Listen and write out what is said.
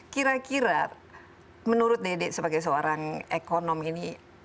kira kira menurut dede sebagai seorang ekonom ini